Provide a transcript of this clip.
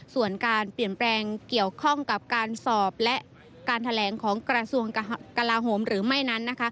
ส่วนการเปลี่ยนแปลงเกี่ยวข้องกับการสอบและการแถลงของกระทรวงกลาโหมหรือไม่นั้น